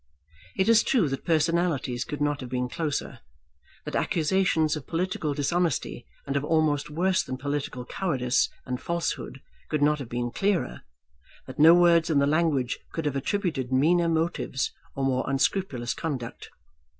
It is true that personalities could not have been closer, that accusations of political dishonesty and of almost worse than political cowardice and falsehood could not have been clearer, that no words in the language could have attributed meaner motives or more unscrupulous conduct.